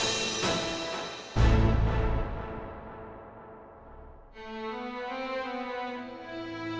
mama akan mengugok makan dan minum lagi